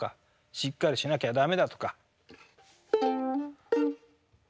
しっかりしなきゃ駄目だ」とか。